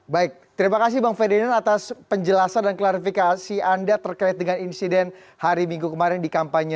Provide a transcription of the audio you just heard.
baik terima kasih bang ferdinand atas penjelasan dan klarifikasi anda terkait dengan insiden hari minggu kemarin di kampanye